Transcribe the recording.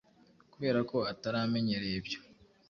Kubera ko atari amenyereye ibyo,